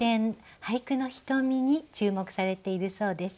俳句のひとみに注目されているそうです。